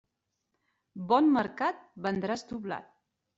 Bon mercat vendràs doblat.